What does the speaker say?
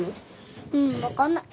うん分かんない。